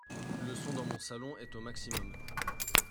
Le son dans mon salon est au maximum